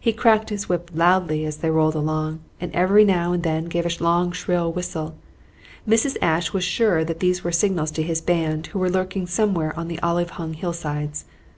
He cracked his whip loudly as they rolled along, and every now and then gave a long shrill whistle. Mrs. Ashe was sure that these were signals to his band, who were lurking somewhere on the olive hung hillsides.